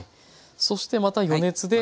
そしてまた余熱で。